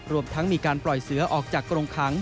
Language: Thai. รวมทั้งมีการปล่อยเสือออกจากกรงขัง